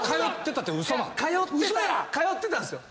通ってたんすよ。